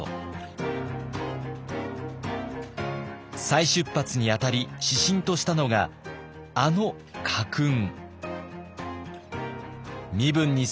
再出発にあたり指針としたのがあの家訓。